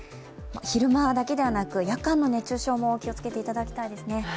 昼間だけではなく夜間の熱中症にも気をつけていただきたいですね。